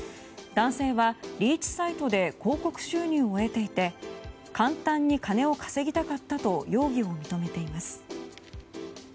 男性はリーチサイトで広告収入を得ていて簡単に金を稼ぎたかったと容疑を認めています。